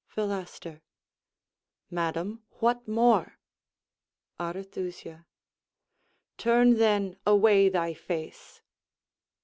Philaster Madam, what more? Arethusa Turn, then, away thy face.